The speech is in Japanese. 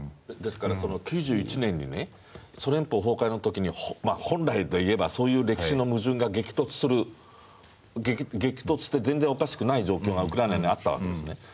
ですから９１年にソ連邦崩壊の時に本来でいえばそういう歴史の矛盾が激突して全然おかしくない状況がウクライナにあったわけですね。